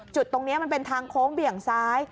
จุดตรงนี้มันเป็นทางโค้งเบี่ยงซ้าย